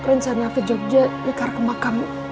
rencana afid jogja ikar ke makam